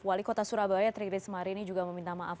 wali kota surabaya trigris semarini juga meminta maaf